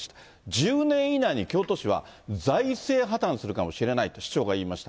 １０年以内に京都市は財政破綻するかもしれないと市長が言いました。